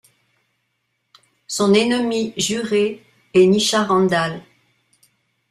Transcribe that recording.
Son ennemie jurée est Nisha Randall.